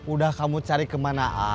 udah kamu cari kemanaan